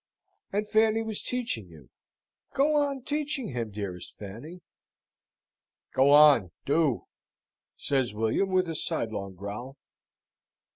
"And Fanny was teaching you? Go on teaching him, dearest Fanny!" "Go on, do!" says William, with a sidelong growl.